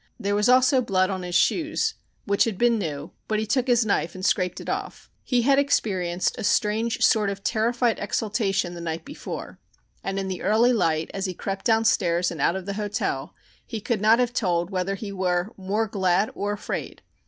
There was also blood on his shoes, which had been new, but he took his knife and scraped it off. He had experienced a strange sort of terrified exaltation the night before, and in the early light as he crept downstairs and out of the hotel he could not have told whether he were more glad or afraid.